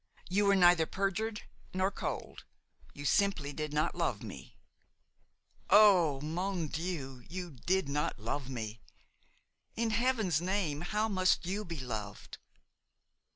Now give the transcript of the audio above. You were neither perjured nor cold; you simply did not love me. "Oh! mon Dieu! you did not love me! In heaven's name how must you be loved?